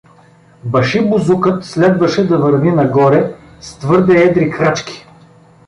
Башибозукът следваше да върви нагоре, с твърде едри крачки.